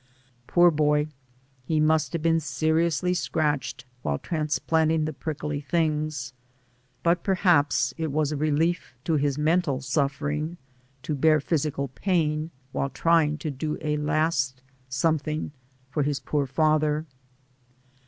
Poor boy, he must have been seriously scratched while transplanting the prickly things, but perhaps it was a relief to his mental suffering, to bear physical pain while trying to do a last some thing for his poor father.